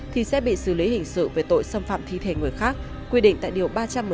thì sẽ bị xử lý hình sự về tội xâm phạm thi thể người khác quy định tại điều ba trăm một mươi bốn